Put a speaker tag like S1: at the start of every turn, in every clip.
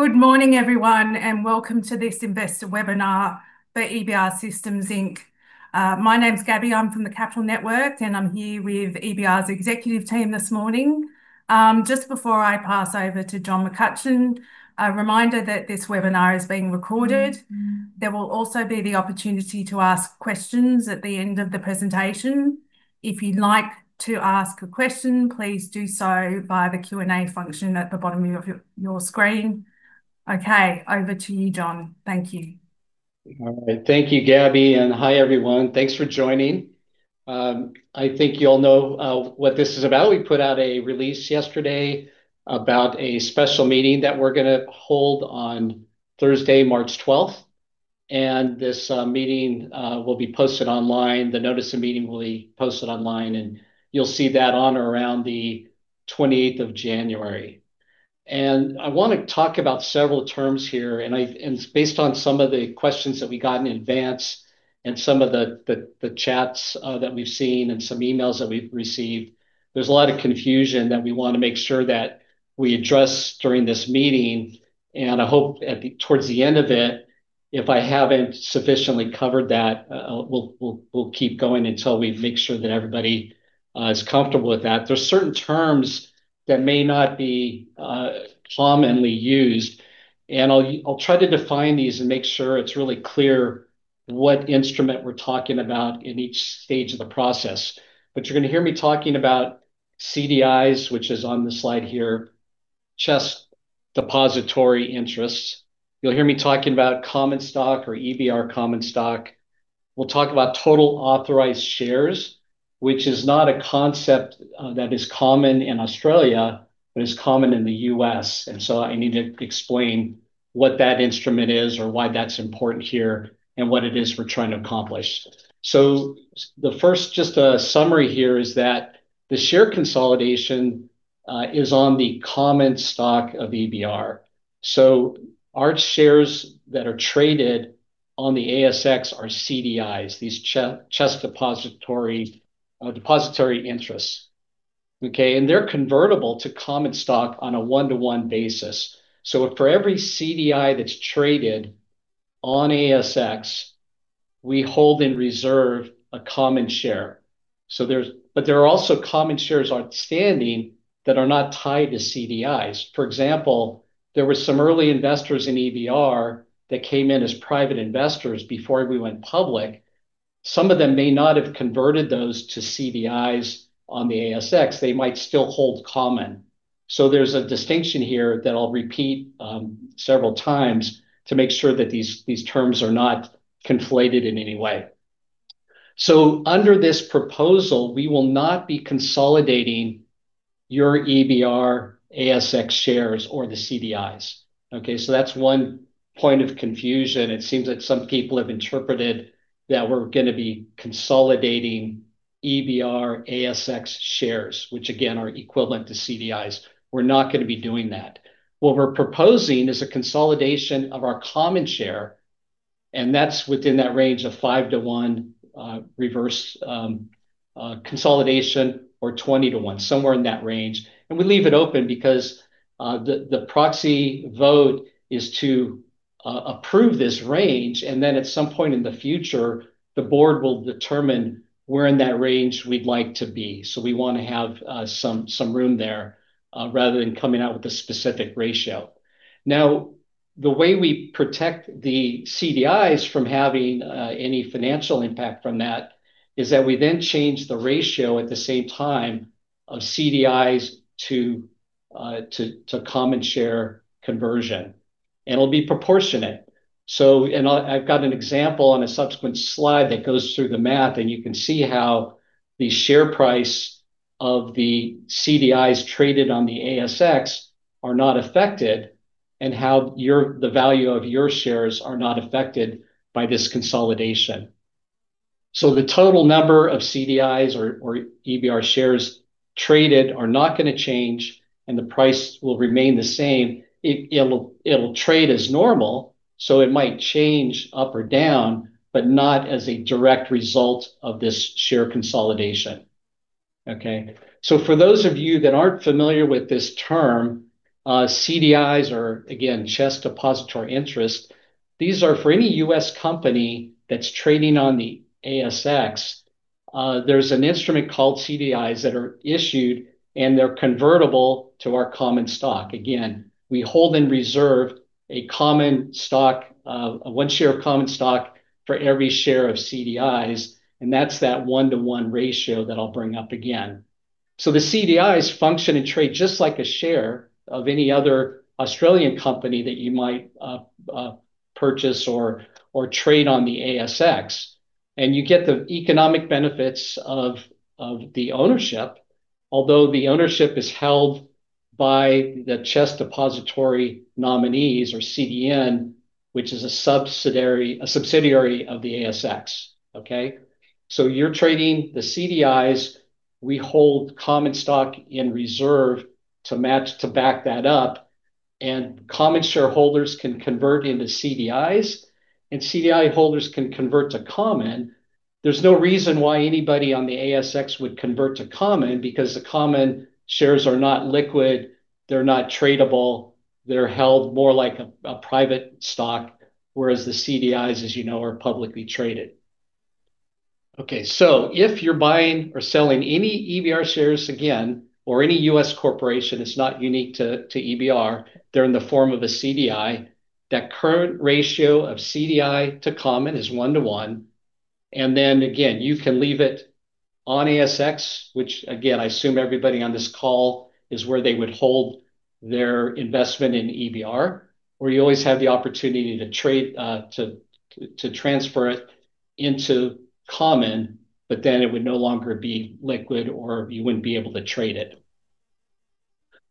S1: Good morning, everyone, and welcome to this investor webinar for EBR Systems, Inc. My name's Gabby. I'm from The Capital Network, and I'm here with EBR's executive team this morning. Just before I pass over to John McCutcheon, a reminder that this webinar is being recorded. There will also be the opportunity to ask questions at the end of the presentation. If you'd like to ask a question, please do so via the Q&A function at the bottom of your screen. Okay, over to you, John. Thank you.
S2: All right, thank you, Gabby, and hi, everyone. Thanks for joining. I think you all know what this is about. We put out a release yesterday about a special meeting that we're going to hold on Thursday, March 12th. And this meeting will be posted online. The notice of meeting will be posted online, and you'll see that on or around the 28th of January. And I want to talk about several terms here, and it's based on some of the questions that we got in advance and some of the chats that we've seen and some emails that we've received. There's a lot of confusion that we want to make sure that we address during this meeting. And I hope towards the end of it, if I haven't sufficiently covered that, we'll keep going until we make sure that everybody is comfortable with that. There are certain terms that may not be commonly used, and I'll try to define these and make sure it's really clear what instrument we're talking about in each stage of the process. But you're going to hear me talking about CDIs, which is on the slide here, CHESS Depositary Interests. You'll hear me talking about common stock or EBR common stock. We'll talk about total authorized shares, which is not a concept that is common in Australia, but is common in the U.S., and so I need to explain what that instrument is or why that's important here and what it is we're trying to accomplish, so the first, just a summary here is that the share consolidation is on the common stock of EBR. So our shares that are traded on the ASX are CDIs, these CHESS Depositary Interests. Okay, and they're convertible to common stock on a one-to-one basis. So for every CDI that's traded on ASX, we hold in reserve a common share. But there are also common shares outstanding that are not tied to CDIs. For example, there were some early investors in EBR that came in as private investors before we went public. Some of them may not have converted those to CDIs on the ASX. They might still hold common. So there's a distinction here that I'll repeat several times to make sure that these terms are not conflated in any way. So under this proposal, we will not be consolidating your EBR, ASX shares, or the CDIs. Okay, so that's one point of confusion. It seems that some people have interpreted that we're going to be consolidating EBR, ASX shares, which again are equivalent to CDIs. We're not going to be doing that. What we're proposing is a consolidation of our common share, and that's within that range of five-to-one reverse consolidation or 20-to-one, somewhere in that range. And we leave it open because the proxy vote is to approve this range, and then at some point in the future, the board will determine where in that range we'd like to be. So we want to have some room there rather than coming out with a specific ratio. Now, the way we protect the CDIs from having any financial impact from that is that we then change the ratio at the same time of CDIs to common share conversion, and it'll be proportionate. So I've got an example on a subsequent slide that goes through the math, and you can see how the share price of the CDIs traded on the ASX are not affected and how the value of your shares are not affected by this consolidation. So the total number of CDIs or EBR shares traded are not going to change, and the price will remain the same. It'll trade as normal, so it might change up or down, but not as a direct result of this share consolidation. Okay, so for those of you that aren't familiar with this term, CDIs are, again, CHESS Depositary Interest. These are for any US company that's trading on the ASX. There's an instrument called CDIs that are issued, and they're convertible to our common stock. Again, we hold in reserve a common stock, one share of common stock for every share of CDIs, and that's that one-to-one ratio that I'll bring up again. So the CDIs function and trade just like a share of any other Australian company that you might purchase or trade on the ASX, and you get the economic benefits of the ownership, although the ownership is held by the CHESS Depositary Nominees or CDN, which is a subsidiary of the ASX. Okay, so you're trading the CDIs. We hold common stock in reserve to back that up, and common shareholders can convert into CDIs, and CDI holders can convert to common. There's no reason why anybody on the ASX would convert to common because the common shares are not liquid. They're not tradable. They're held more like a private stock, whereas the CDIs, as you know, are publicly traded. Okay, so if you're buying or selling any EBR shares again or any U.S. corporation, it's not unique to EBR. They're in the form of a CDI. That current ratio of CDI to common is one-to-one. And then again, you can leave it on ASX, which again, I assume everybody on this call is where they would hold their investment in EBR, or you always have the opportunity to transfer it into common, but then it would no longer be liquid or you wouldn't be able to trade it.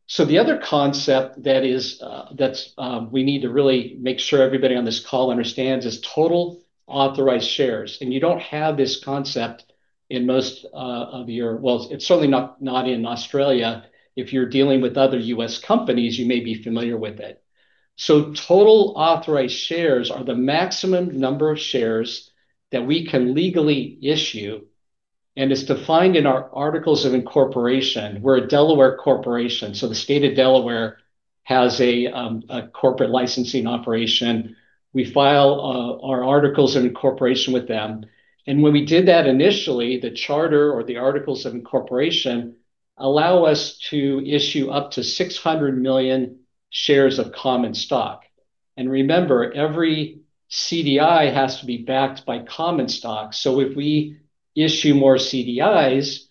S2: So the other concept that we need to really make sure everybody on this call understands is total authorized shares. And you don't have this concept in most of your, well, it's certainly not in Australia. If you're dealing with other U.S. companies, you may be familiar with it. Total authorized shares are the maximum number of shares that we can legally issue, and it's defined in our articles of incorporation. We're a Delaware corporation, so the state of Delaware has a corporate licensing operation. We file our articles of incorporation with them. When we did that initially, the charter or the articles of incorporation allow us to issue up to 600 million shares of common stock. Remember, every CDI has to be backed by common stock. If we issue more CDIs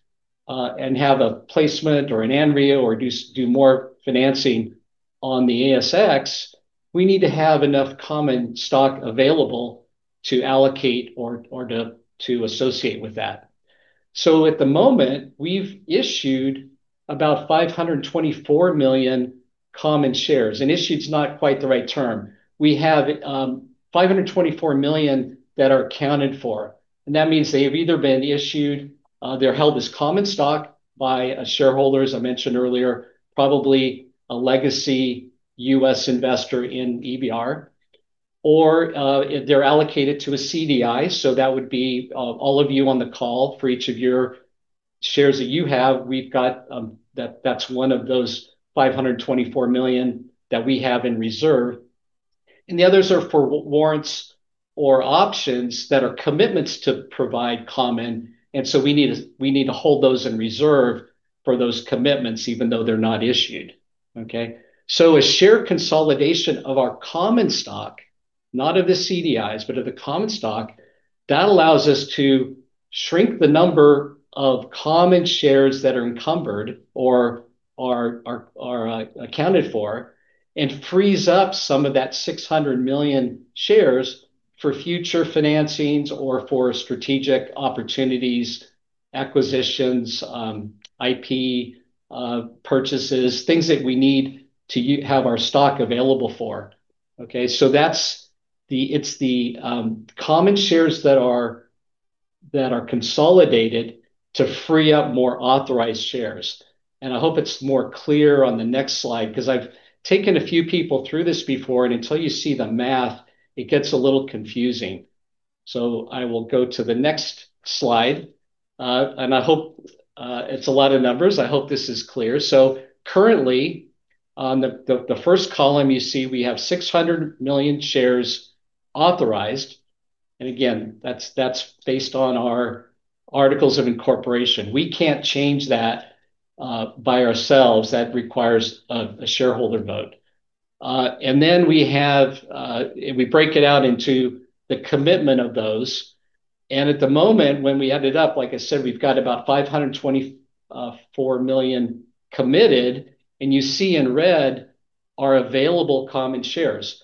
S2: and have a placement or an ANREO or do more financing on the ASX, we need to have enough common stock available to allocate or to associate with that. At the moment, we've issued about 524 million common shares. Issued is not quite the right term. We have 524 million that are accounted for. And that means they have either been issued, they're held as common stock by a shareholder, as I mentioned earlier, probably a legacy U.S. investor in EBR, or they're allocated to a CDI. So that would be all of you on the call for each of your shares that you have. We've got. That's one of those 524 million that we have in reserve. And the others are for warrants or options that are commitments to provide common. And so we need to hold those in reserve for those commitments, even though they're not issued. Okay, so a share consolidation of our common stock, not of the CDIs, but of the common stock, that allows us to shrink the number of common shares that are encumbered or are accounted for and frees up some of that 600 million shares for future financings or for strategic opportunities, acquisitions, IP purchases, things that we need to have our stock available for. Okay, so it's the common shares that are consolidated to free up more authorized shares. And I hope it's more clear on the next slide because I've taken a few people through this before, and until you see the math, it gets a little confusing. So I will go to the next slide. And I hope it's a lot of numbers. I hope this is clear. So currently, on the first column, you see we have 600 million shares authorized. Again, that's based on our Articles of Incorporation. We can't change that by ourselves. That requires a shareholder vote. Then we break it out into the commitment of those. At the moment, when we add it up, like I said, we've got about 524 million committed, and you see in red are available common shares.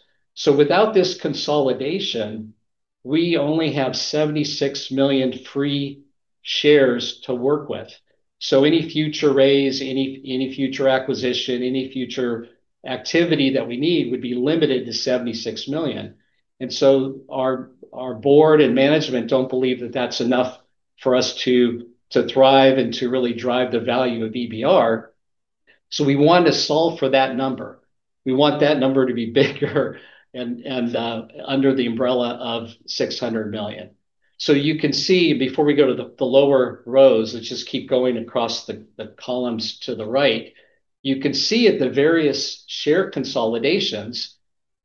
S2: Without this consolidation, we only have 76 million free shares to work with. Any future raise, any future acquisition, any future activity that we need would be limited to 76 million. Our board and management don't believe that that's enough for us to thrive and to really drive the value of EBR. We want to solve for that number. We want that number to be bigger and under the umbrella of 600 million. So you can see before we go to the lower rows. Let's just keep going across the columns to the right. You can see at the various share consolidations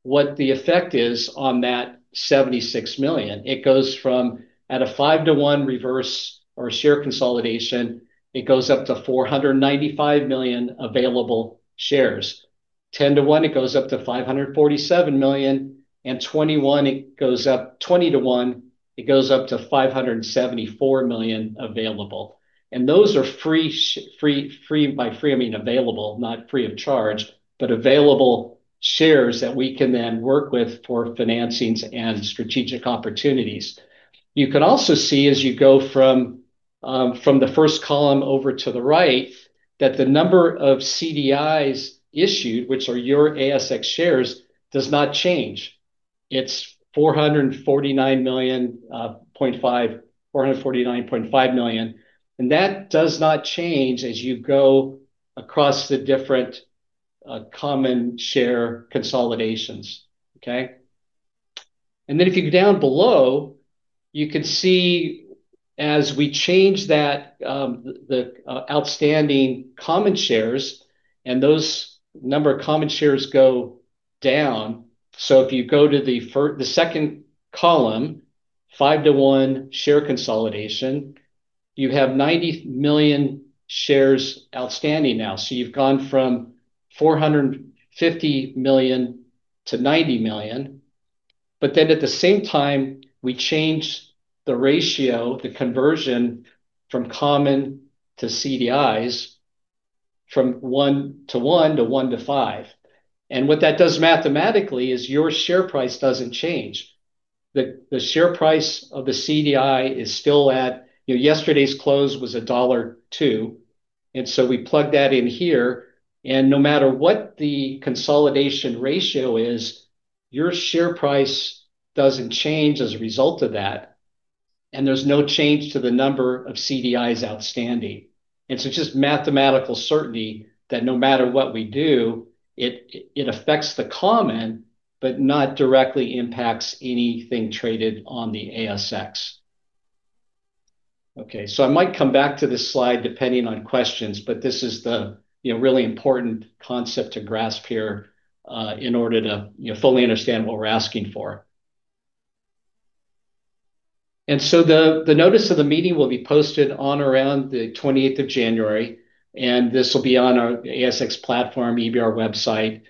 S2: what the effect is on that 76 million. It goes from at a five-to-one reverse or share consolidation. It goes up to 495 million available shares. 10-to-one, it goes up to 547 million. And 21, it goes up, 20-to-one, it goes up to 574 million available. And those are free, free by free, I mean available, not free of charge, but available shares that we can then work with for financings and strategic opportunities. You can also see as you go from the first column over to the right that the number of CDIs issued, which are your ASX shares, does not change. It's 449.5 million. And that does not change as you go across the different common share consolidations. Okay, and then if you go down below, you can see as we change that, the outstanding common shares and those number of common shares go down. If you go to the second column, five-to-one share consolidation, you have 90 million shares outstanding now. You've gone from 450 million-90 million. At the same time, we change the ratio, the conversion from common to CDIs from one-to-one to one-to-five. What that does mathematically is your share price doesn't change. The share price of the CDI is still at yesterday's close, which was dollar 1.02. We plug that in here. No matter what the consolidation ratio is, your share price doesn't change as a result of that. There's no change to the number of CDIs outstanding. And so just mathematical certainty that no matter what we do, it affects the common, but not directly impacts anything traded on the ASX. Okay, so I might come back to this slide depending on questions, but this is the really important concept to grasp here in order to fully understand what we're asking for. And so the notice of the meeting will be posted on around the 28th of January, and this will be on our ASX platform, EBR website.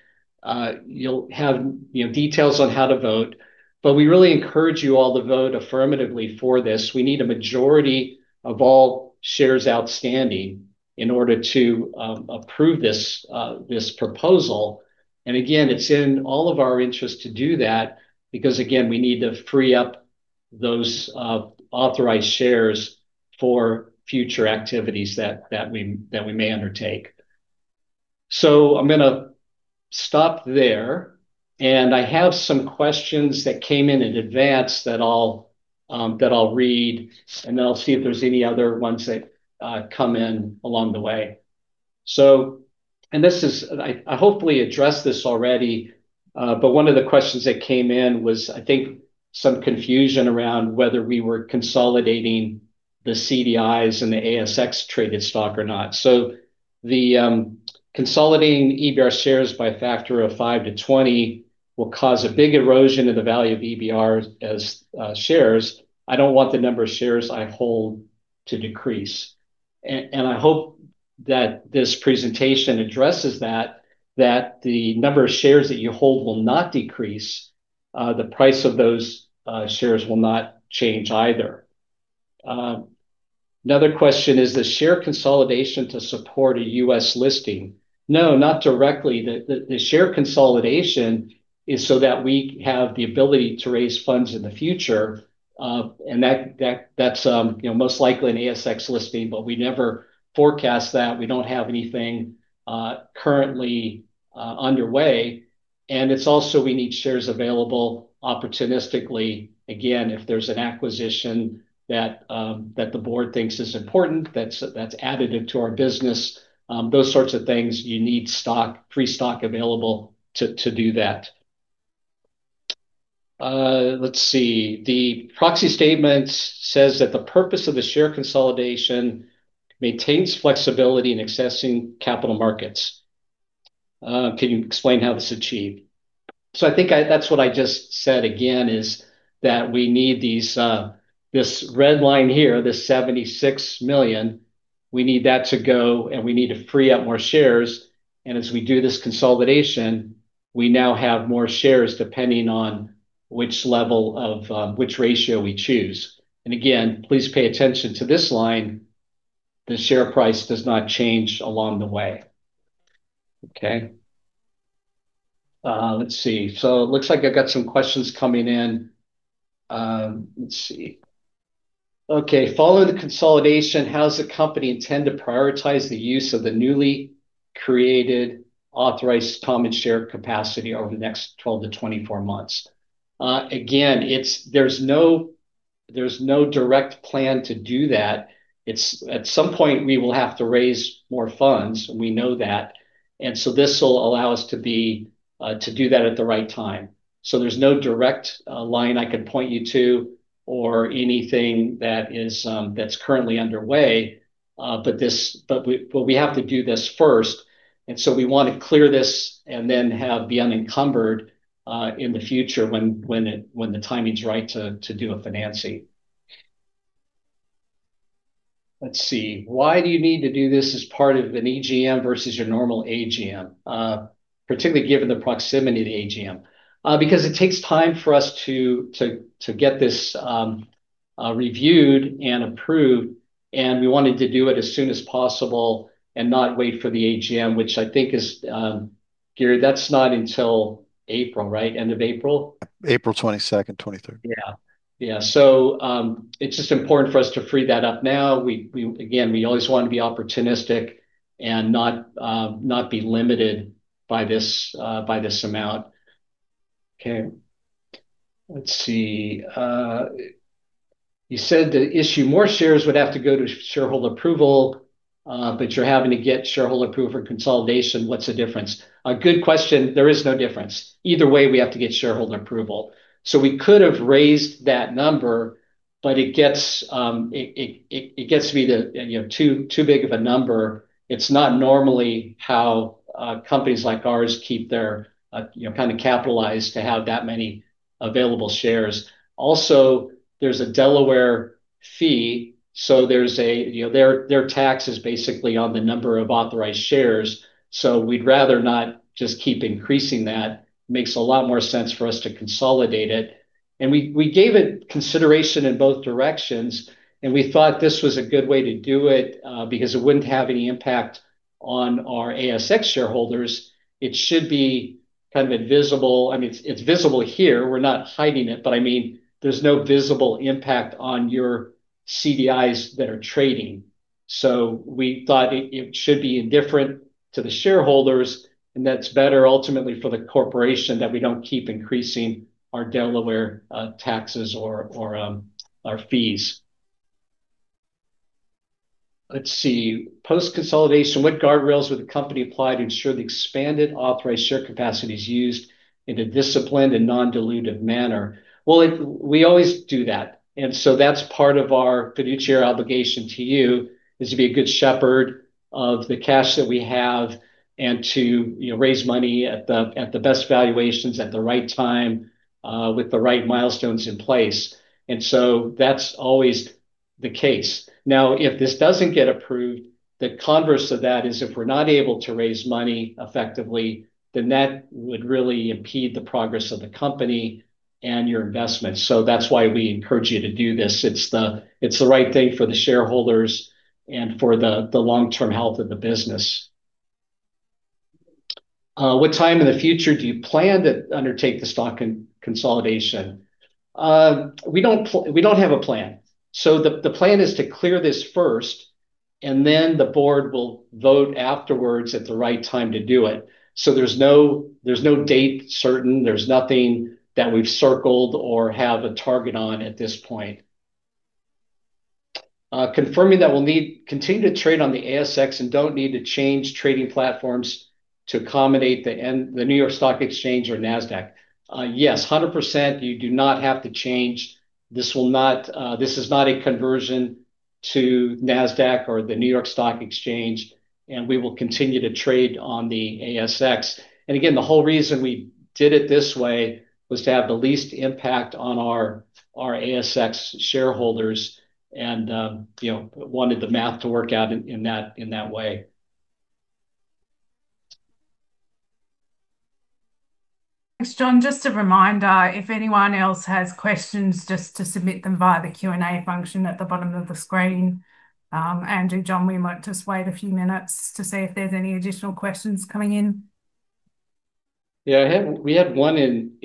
S2: You'll have details on how to vote, but we really encourage you all to vote affirmatively for this. We need a majority of all shares outstanding in order to approve this proposal. And again, it's in all of our interest to do that because, again, we need to free up those authorized shares for future activities that we may undertake. So I'm going to stop there, and I have some questions that came in in advance that I'll read, and then I'll see if there's any other ones that come in along the way. And this is, I hopefully addressed this already, but one of the questions that came in was, I think, some confusion around whether we were consolidating the CDIs and the ASX traded stock or not. So the consolidating EBR shares by a factor of five to twenty will cause a big erosion in the value of EBR's shares. I don't want the number of shares I hold to decrease. And I hope that this presentation addresses that, that the number of shares that you hold will not decrease. The price of those shares will not change either. Another question is, is share consolidation to support a US listing? No, not directly. The share consolidation is so that we have the ability to raise funds in the future. And that's most likely an ASX listing, but we never forecast that. We don't have anything currently underway. And it's also we need shares available opportunistically. Again, if there's an acquisition that the board thinks is important, that's additive to our business, those sorts of things, you need stock, free stock available to do that. Let's see. The proxy statement says that the purpose of the share consolidation maintains flexibility in accessing capital markets. Can you explain how this is achieved? So I think that's what I just said again, is that we need this red line here, this 76 million. We need that to go, and we need to free up more shares. And as we do this consolidation, we now have more shares depending on which level of which ratio we choose. Again, please pay attention to this line. The share price does not change along the way. Okay, let's see. So it looks like I've got some questions coming in. Let's see. Okay, following the consolidation, how does the company intend to prioritize the use of the newly created authorized common share capacity over the next 12-24 months? Again, there's no direct plan to do that. At some point, we will have to raise more funds. We know that, and so this will allow us to do that at the right time. So there's no direct line I could point you to or anything that's currently underway, but we have to do this first. And so we want to clear this and then not be encumbered in the future when the time is right to do a financing. Let's see. Why do you need to do this as part of an EGM versus your normal AGM, particularly given the proximity to AGM? Because it takes time for us to get this reviewed and approved, and we wanted to do it as soon as possible and not wait for the AGM, which I think is, Gary, that's not until April, right? End of April?
S3: April 22nd, 23rd.
S2: Yeah. Yeah. So it's just important for us to free that up now. Again, we always want to be opportunistic and not be limited by this amount. Okay. Let's see. You said to issue more shares would have to go to shareholder approval, but you're having to get shareholder approval for consolidation. What's the difference? A good question. There is no difference. Either way, we have to get shareholder approval. So we could have raised that number, but it gets to be too big of a number. It's not normally how companies like ours keep their kind of capitalized to have that many available shares. Also, there's a Delaware fee. So their tax is basically on the number of authorized shares. So we'd rather not just keep increasing that. It makes a lot more sense for us to consolidate it. And we gave it consideration in both directions, and we thought this was a good way to do it because it wouldn't have any impact on our ASX shareholders. It should be kind of invisible. I mean, it's visible here. We're not hiding it, but I mean, there's no visible impact on your CDIs that are trading. So we thought it should be indifferent to the shareholders, and that's better ultimately for the corporation that we don't keep increasing our Delaware taxes or our fees. Let's see. Post-consolidation, what guardrails would the company apply to ensure the expanded authorized share capacity is used in a disciplined and non-dilutive manner? Well, we always do that. And so that's part of our fiduciary obligation to you is to be a good shepherd of the cash that we have and to raise money at the best valuations at the right time with the right milestones in place. And so that's always the case. Now, if this doesn't get approved, the converse of that is if we're not able to raise money effectively, then that would really impede the progress of the company and your investment. So that's why we encourage you to do this. It's the right thing for the shareholders and for the long-term health of the business. What time in the future do you plan to undertake the stock consolidation? We don't have a plan. So the plan is to clear this first, and then the board will vote afterward at the right time to do it. So there's no date certain. There's nothing that we've circled or have a target on at this point. Confirming that we'll need to continue to trade on the ASX and don't need to change trading platforms to accommodate the New York Stock Exchange or Nasdaq. Yes, 100%. You do not have to change. This is not a conversion to Nasdaq or the New York Stock Exchange, and we will continue to trade on the ASX. And again, the whole reason we did it this way was to have the least impact on our ASX shareholders and wanted the math to work out in that way.
S1: Thanks, John. Just a reminder, if anyone else has questions, just to submit them via the Q&A function at the bottom of the screen. Andrew, John, we might just wait a few minutes to see if there's any additional questions coming in.
S2: Yeah, we had one in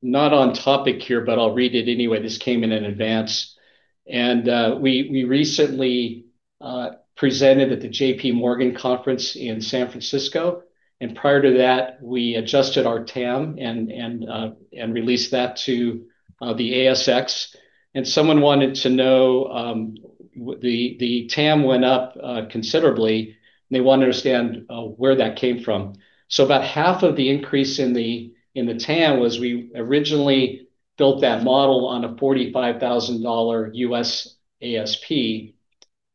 S2: not on topic here, but I'll read it anyway. This came in advance. And we recently presented at the J.P. Morgan conference in San Francisco. And prior to that, we adjusted our TAM and released that to the ASX. And someone wanted to know the TAM went up considerably, and they wanted to understand where that came from. About half of the increase in the TAM was we originally built that model on a $45,000 U.S. ASP.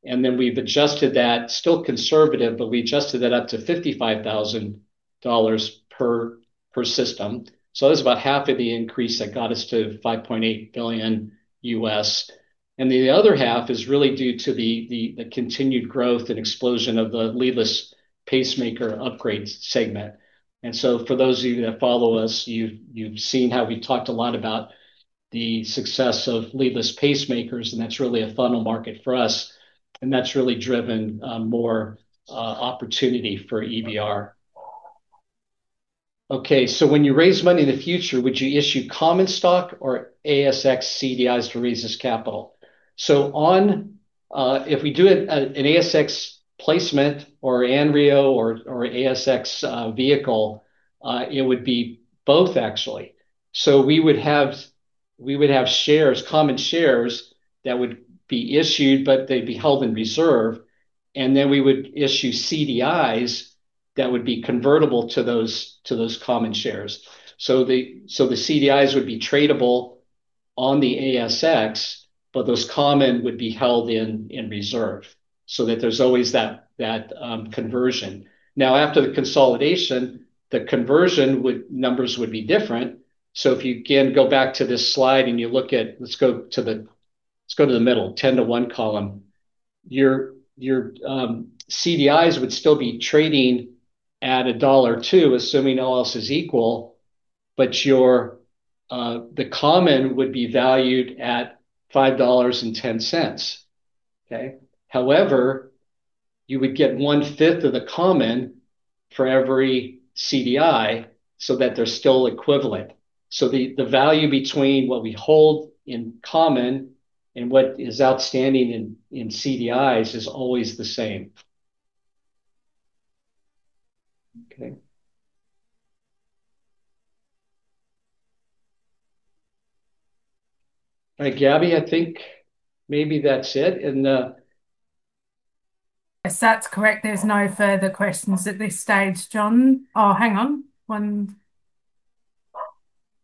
S2: Then we've adjusted that, still conservative, but we adjusted that up to $55,000 per system. That's about half of the increase that got us to $5.8 billion U.S. The other half is really due to the continued growth and explosion of the leadless pacemaker upgrade segment. For those of you that follow us, you've seen how we talked a lot about the success of leadless pacemakers, and that's really a funnel market for us. That's really driven more opportunity for EBR. Okay, when you raise money in the future, would you issue common stock or ASX CDIs to raise this capital? If we do an ASX placement or an ANREO or ASX vehicle, it would be both, actually. So we would have shares, common shares that would be issued, but they'd be held in reserve. And then we would issue CDIs that would be convertible to those common shares. So the CDIs would be tradable on the ASX, but those common would be held in reserve so that there's always that conversion. Now, after the consolidation, the conversion numbers would be different. So if you again go back to this slide and you look at, let's go to the middle, 10-to-one column, your CDIs would still be trading at dollar 2.00, assuming all else is equal, but the common would be valued at $5.10. Okay? However, you would get one-fifth of the common for every CDI so that they're still equivalent. So the value between what we hold in common and what is outstanding in CDIs is always the same. Okay. All right, Gabby, I think maybe that's it.
S1: Yes, that's correct. There's no further questions at this stage, John. Oh, hang on.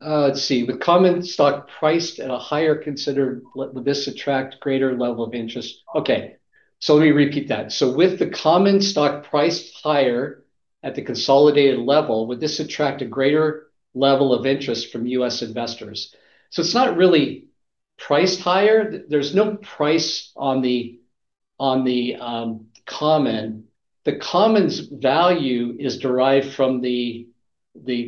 S2: Let's see. With common stock priced at a higher consolidated would this attract greater level of interest? Okay. So let me repeat that. So with the common stock priced higher at the consolidated level, would this attract a greater level of interest from U.S. investors? So it's not really priced higher. There's no price on the common. The common's value is derived from the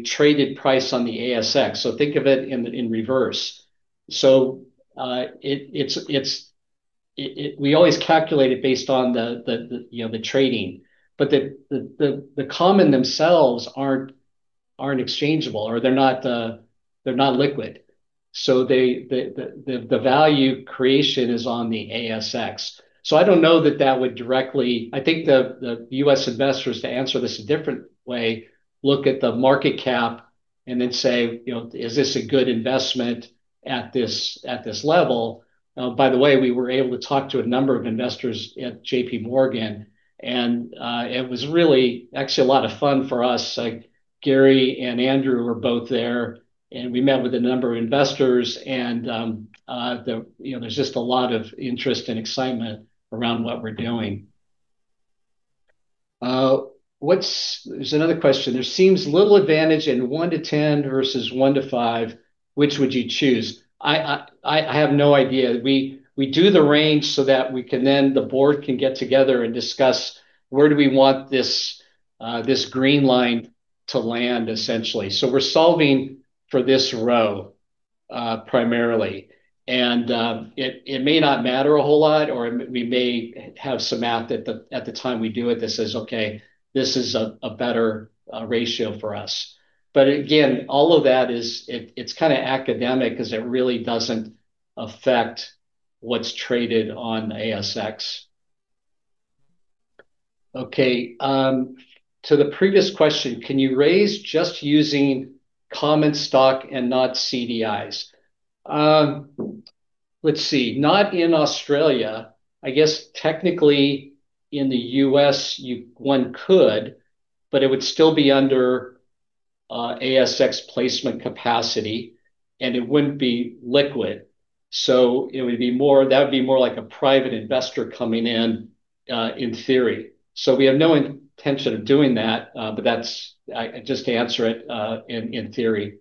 S2: traded price on the ASX. So think of it in reverse. So we always calculate it based on the trading. But the common themselves aren't exchangeable, or they're not liquid. So the value creation is on the ASX. I don't know that that would directly. I think the U.S. investors, to answer this a different way, look at the market cap and then say, "Is this a good investment at this level?" By the way, we were able to talk to a number of investors at J.P. Morgan, and it was really actually a lot of fun for us. Gary and Andrew were both there, and we met with a number of investors, and there's just a lot of interest and excitement around what we're doing. There's another question. There seems little advantage in one-to-10 versus one-to-five. Which would you choose? I have no idea. We do the range so that we can then. The board can get together and discuss where do we want this green line to land, essentially. We're solving for this row primarily. And it may not matter a whole lot, or we may have some math at the time we do it that says, "Okay, this is a better ratio for us." But again, all of that is, it's kind of academic because it really doesn't affect what's traded on the ASX. Okay. To the previous question, can you raise just using common stock and not CDIs? Let's see. Not in Australia. I guess technically in the U.S., one could, but it would still be under ASX placement capacity, and it wouldn't be liquid. So that would be more like a private investor coming in, in theory. So we have no intention of doing that, but that's just to answer it in theory.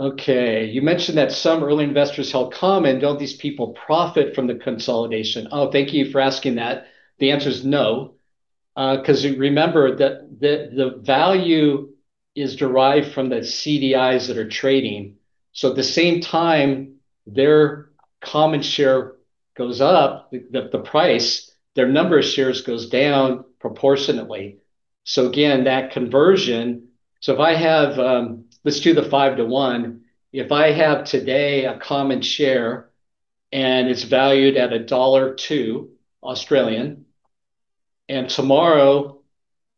S2: Okay. You mentioned that some early investors held common. Don't these people profit from the consolidation? Oh, thank you for asking that. The answer is no. Because remember that the value is derived from the CDIs that are trading, so at the same time, their common share goes up, the price, their number of shares goes down proportionately, so again, that conversion, so if I have, let's do the five-to-one. If I have today a common share and it's valued at dollar 1.02, Australian. And tomorrow,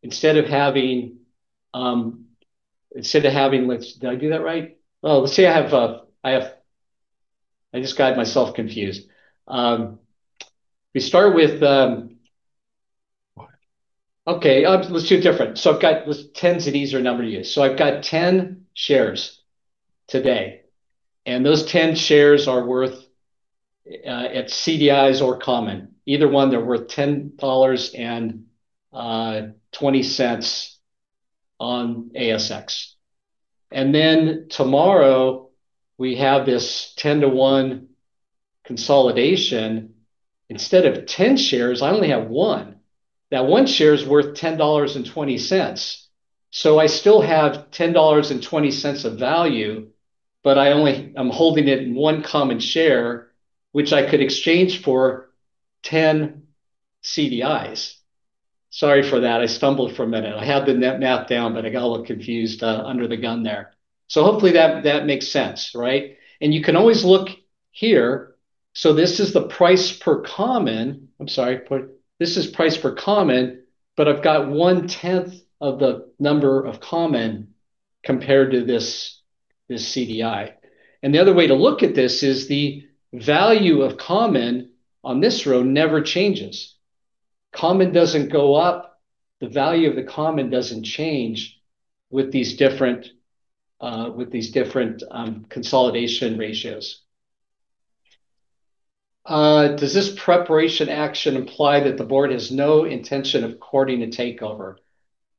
S2: instead of having, did I do that right, well, let's see. I just got myself confused. Okay, let's do different, so I've got, let's tend to the easier number to use, so I've got 10 shares today. And those 10 shares are worth at CDIs or common. Either one, they're worth 10.20 dollars on ASX. And then tomorrow, we have this 10-to-one consolidation. Instead of 10 shares, I only have one. That one share is worth 10.20 dollars. So I still have $10.20 of value, but I'm holding it in one common share, which I could exchange for 10 CDIs. Sorry for that. I stumbled for a minute. I had the math down, but I got a little confused under the gun there. So hopefully that makes sense, right? And you can always look here. So this is the price per common. I'm sorry. This is price per common, but I've got one-tenth of the number of common compared to this CDI. And the other way to look at this is the value of common on this row never changes. Common doesn't go up. The value of the common doesn't change with these different consolidation ratios. Does this preparation action imply that the board has no intention of courting a takeover?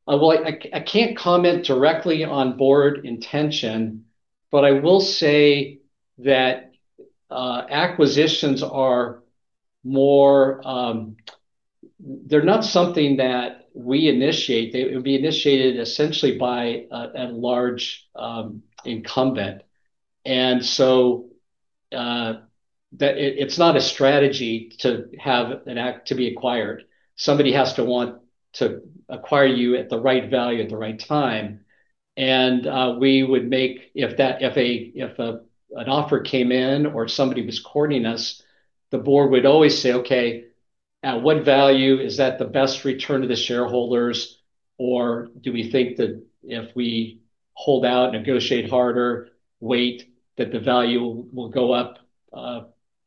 S2: I can't comment directly on board intention, but I will say that acquisitions are more, they're not something that we initiate. It would be initiated essentially by a large incumbent. And so it's not a strategy to have an exit to be acquired. Somebody has to want to acquire you at the right value at the right time. And we would make, if an offer came in or somebody was courting us, the board would always say, "Okay, at what value is that the best return to the shareholders? Or do we think that if we hold out, negotiate harder, wait, that the value will go up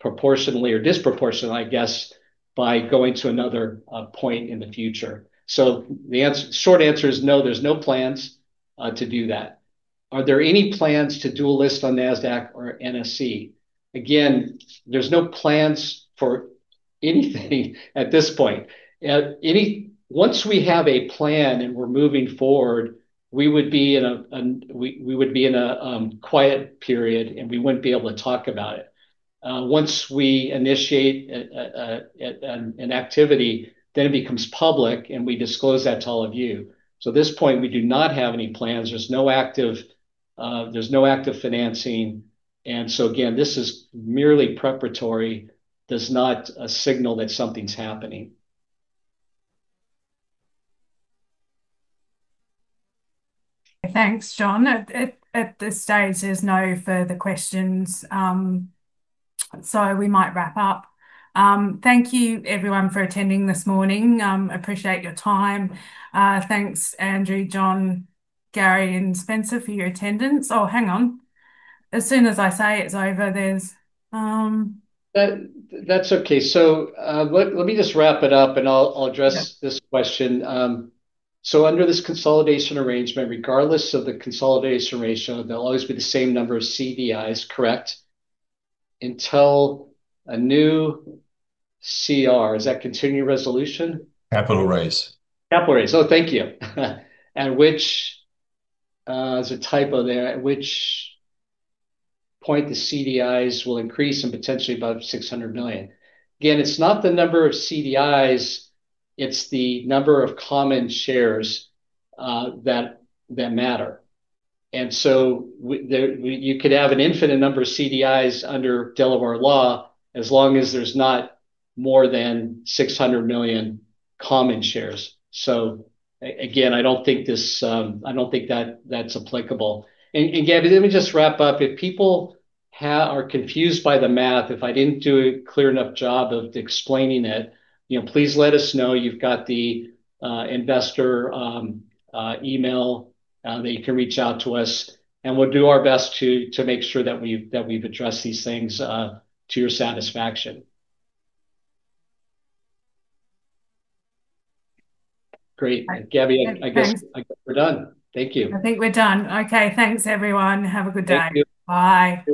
S2: proportionally or disproportionately, I guess, by going to another point in the future?" So the short answer is no, there's no plans to do that. Are there any plans to do a listing on NASDAQ or NYSE? Again, there's no plans for anything at this point. Once we have a plan and we're moving forward, we would be in a quiet period, and we wouldn't be able to talk about it. Once we initiate an activity, then it becomes public, and we disclose that to all of you. So at this point, we do not have any plans. There's no active financing. And so again, this is merely preparatory, does not signal that something's happening.
S1: Thanks, John. At this stage, there's no further questions. So we might wrap up. Thank you, everyone, for attending this morning. Appreciate your time. Thanks, Andrew, John, Gary, and Spencer for your attendance. Oh, hang on. As soon as I say it's over, there's.
S2: That's okay. So let me just wrap it up, and I'll address this question. Under this consolidation arrangement, regardless of the consolidation ratio, there'll always be the same number of CDIs, correct? Until a new CR, is that continuing resolution? Capital raise. Capital raise. Oh, thank you. And which is a typo there? At which point the CDIs will increase and potentially above 600 million? Again, it's not the number of CDIs. It's the number of common shares that matter. And so you could have an infinite number of CDIs under Delaware law as long as there's not more than 600 million common shares. So again, I don't think this. I don't think that that's applicable. And Gabby, let me just wrap up. If people are confused by the math, if I didn't do a clear enough job of explaining it, please let us know. You've got the investor email that you can reach out to us. We'll do our best to make sure that we've addressed these things to your satisfaction. Great. Gabby, I guess we're done. Thank you.
S1: I think we're done. Okay. Thanks, everyone. Have a good day.
S2: Thank you.
S1: Bye.